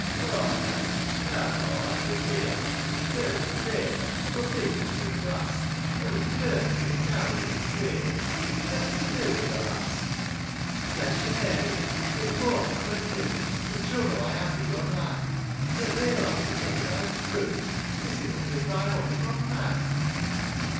H, Nanny; thou'rt o' out o' gear; Do, pray tho, go peep into th' glass ; Thou looks dirty, an' deawly, an' queer ; Whatever's to do witho, lass ?" "Bless yo, Mary; if folk nobbut knew The trouble I have wi' yon lad !— He's at th' alehouse again, wi' th' owd crew . It's enough to drive ony mon mad